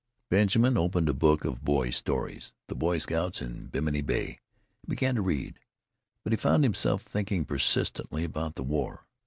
Benjamin opened a book of boys' stories, The Boy Scouts in Bimini Bay, and began to read. But he found himself thinking persistently about the war.